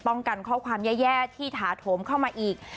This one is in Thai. กันข้อความแย่ที่ถาโถมเข้ามาอีก